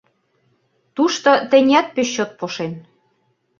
Тушто теният пеш чот пошен.